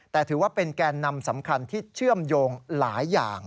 แต่ถือว่าเป็นแกนนำสำคัญที่เชื่อมโยงหลายอย่าง